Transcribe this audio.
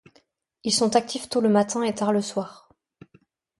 Ils sont actifs tôt le matin et tard le soir.